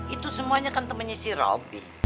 itu semuanya kan temennya si robi